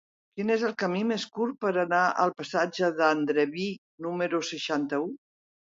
Quin és el camí més curt per anar al passatge d'Andreví número seixanta-u?